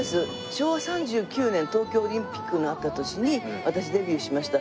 昭和３９年東京オリンピックがあった年に私デビューしました。